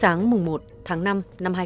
sáng một tháng năm năm hai nghìn tám